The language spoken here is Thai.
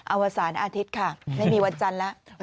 อวสารอาทิตย์ค่ะไม่มีวันจันทร์แล้ว